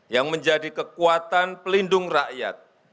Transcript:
yang menjadi kekuatan pelindung rakyat